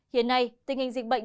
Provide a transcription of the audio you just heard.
hiện nay tình hình dịch